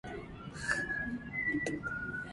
It is part of the Lubbock Metropolitan Statistical Area.